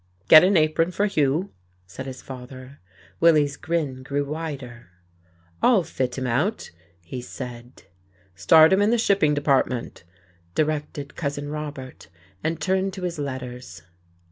"Get an apron for Hugh," said his father. Willie's grin grew wider. "I'll fit him out," he said. "Start him in the shipping department," directed Cousin Robert, and turned to his letters.